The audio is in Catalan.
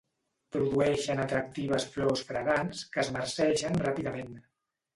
Produeixen atractives flors fragants que es marceixen ràpidament.